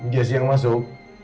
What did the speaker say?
gizi yang masuk